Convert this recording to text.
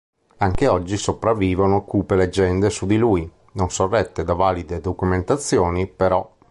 Anche oggi sopravvivono cupe leggende su di lui, non sorrette da valide documentazioni, però.